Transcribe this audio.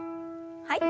はい。